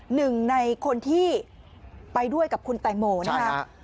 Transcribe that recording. หนึ่งในคนที่ไปด้วยกับคุณแตงโมนะครับ